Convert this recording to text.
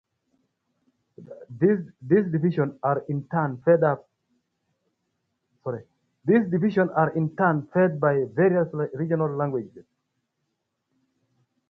These divisions are in turn fed by various regional leagues.